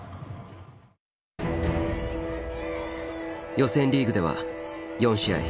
予選リーグでは４試合。